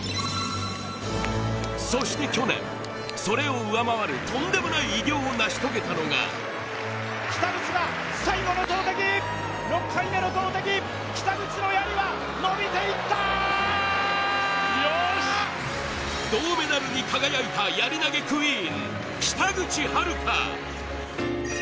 そして去年、それを上回るとんでもない偉業を成し遂げたのが銅メダルに輝いたやり投げクイーン、北口榛花。